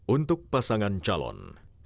untuk pasangan calon